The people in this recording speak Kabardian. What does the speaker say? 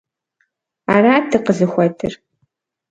Арат дыкъызыхуэтыр…